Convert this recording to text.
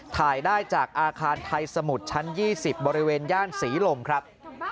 ถ่ายได้จากอาคารไทยสมุทรชั้น๒๐บริเวณย่านศรีลมครับ